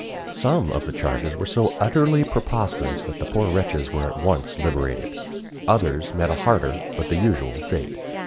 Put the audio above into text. Some of the charges were so utterly preposterous that the poor wretches were at once liberated; others met a harder, but the usual fate.